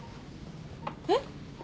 えっ？